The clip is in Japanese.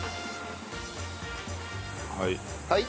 はい。